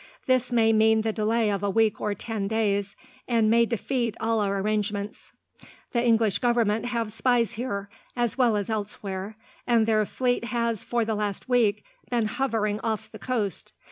This may mean the delay of a week or ten days, and may defeat all our arrangements. The English Government have spies here, as well as elsewhere; and their fleet has, for the last week, been hovering off the coast.